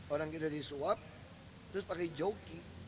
orang kita disuap terus pakai joki